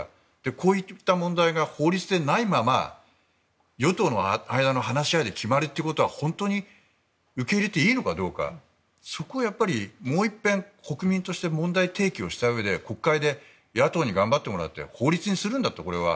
こういった問題が法律でないまま与党の間の話し合いで決まるということは本当に受け入れていいのかどうかそこをやっぱりもう一遍国民として問題提起をしたうえで国会で野党に頑張ってもらって法律にするんだと、これは。